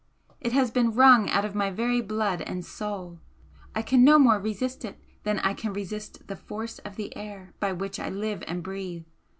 "It has been wrung out of my very blood and soul I can no more resist it than I can resist the force of the air by which I live and breathe.